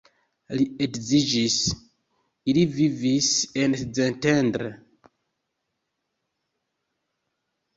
Li edziĝis, ili vivis en Szentendre.